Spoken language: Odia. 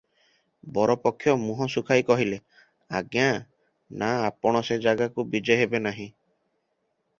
ବରପକ୍ଷ ମୁହଁ ଶୁଖାଇ କହିଲେ, "ଆଜ୍ଞା ନା, ଆପଣ ସେ ଜାଗାକୁ ବିଜେ ହେବେ ନାହିଁ ।"